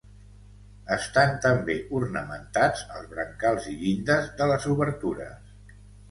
Estan també ornamentats els brancals i llindes de les obertures.